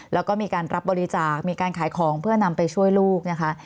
แล้วก็มีการรับบริจาคมีการขายของเพื่อนำไปช่วยลูกนะคะ